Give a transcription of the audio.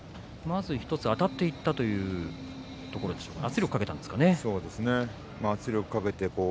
まず１つあたっていったというところでしょうか。